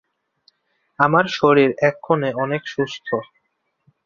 আমার শরীর এক্ষণে অনেক সুস্থ।